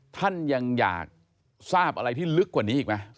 ท่านยังอยากทราบอะไรที่ลึกกว่านี้อีกไหม